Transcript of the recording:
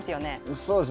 そうですね。